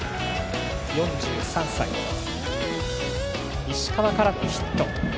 ４３歳、石川からのヒット。